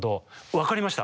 分かりました。